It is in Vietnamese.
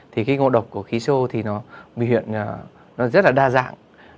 thì cái ngộ độc của khí siêu thì nó biểu hiện rất là đa dạng